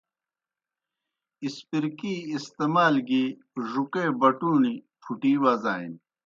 اسپرکی استعمال گیْ ڙُوکے بٹُوݨیْ پُھٹِی وزانیْ۔